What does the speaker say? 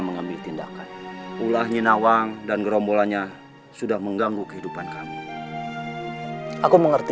mengambil tindakan ulah nyinawang dan gerombolannya sudah mengganggu kehidupan kami aku mengerti